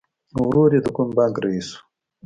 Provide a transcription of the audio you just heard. ورور یې د کوم بانک رئیس و